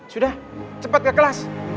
sudah cepat ke kelas